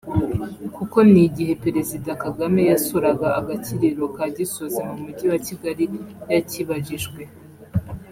kuko n’igihe Perezida Kagame yasuraga agakiriro ka Gisozi mu mujyi wa Kigali yakibajijwe